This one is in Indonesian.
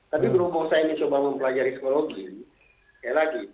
tapi berupa saya ini coba mempelajari psikologi